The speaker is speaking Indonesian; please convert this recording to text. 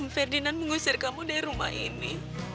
ferdinand mengusir kamu dari rumah ini